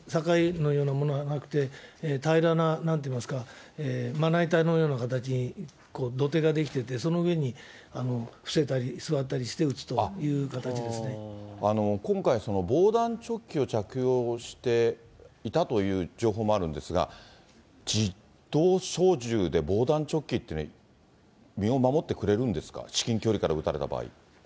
隣どうしは境のようなものはなくて、平らな、なんていいますか、まな板のような形に土手が出来てて、その上に伏せたり、座ったり今回、防弾チョッキを着用していたという情報もあるんですが、自動小銃で防弾チョッキって、身を守ってくれるんですか、至近距離から撃たれた場合。